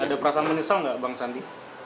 ada perasaan menyesal nggak bang sandi